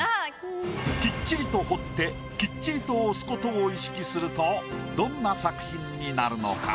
きっちりと彫ってきっちりと押すことを意識するとどんな作品になるのか？